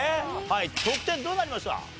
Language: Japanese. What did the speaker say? はい得点どうなりました？